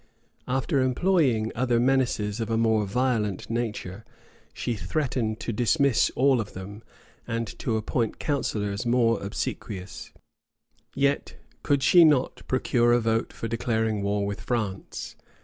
After employing other menaces of a more violent nature, she threatened to dismiss all of them, and to appoint counsellors more obsequious; yet could she not procure a vote for declaring war with France.